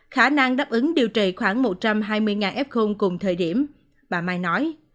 khả năng đáp ứng điều trị khoảng một trăm hai mươi f cùng thời điểm bà mai nói